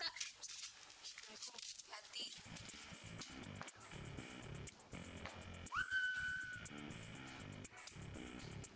kalau butuh urusan lain itu terserah bapak